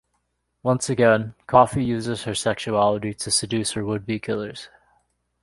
Once again, Coffy uses her sexuality to seduce her would-be killers.